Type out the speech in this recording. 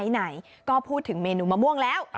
ไหนก็พูดถึงเมนูมะม่วงแล้ว